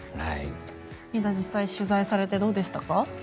リーダー、実際取材されてどうでした？